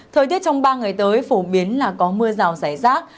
thời tiết trong ba ngày tới phổ biến là có mưa rào rải rác